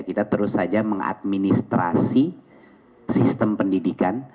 kita terus saja mengadministrasi sistem pendidikan